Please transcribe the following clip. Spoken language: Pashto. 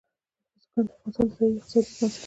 بزګان د افغانستان د ځایي اقتصادونو بنسټ دی.